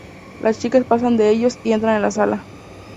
Las chicas pasan de ellos y entran en la sala.